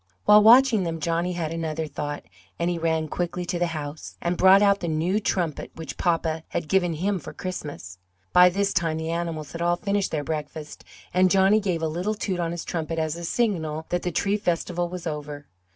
While watching them Johnny had another thought, and he ran quickly to the house, and brought out the new trumpet which papa had given him for Christmas. By this time the animals had all finished their breakfast and Johnny gave a little toot on his trumpet as a signal that the tree festival was over.